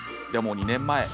でも２年前。